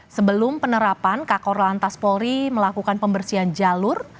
sebelum penerapan kakor lantas polri melakukan pembersihan jalur